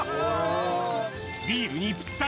ビールにぴったり！